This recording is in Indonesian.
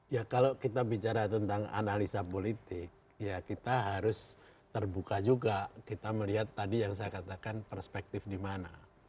ya kalau kita bicara tentang analisa politik ya kita harus terbuka juga kita melihat tadi yang saya katakan perspektif di mana